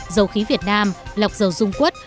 dầu khí việt nam lọc dầu dung quất